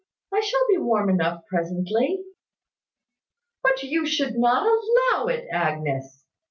I shall be warm enough presently." "But you should not allow it, Agnes.